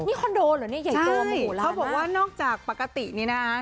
นี่คอนโดเหรอใหญ่ตัวมันโหลานะใช่เขาบอกว่านอกจากปกตินี่นะ